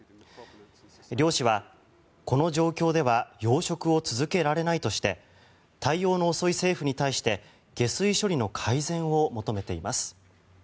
漁師はこの状況では養殖を続けられないとして対応の遅い政府に対して下水処理の改善を求めています。